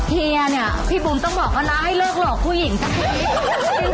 เฮียเนี่ยพี่บุ๋มต้องบอกว่าน้าให้เลิกหลอกผู้หญิงสักนิด